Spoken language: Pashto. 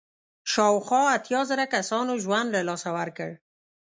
شاوخوا اتیا زره کسانو ژوند له لاسه ورکړ.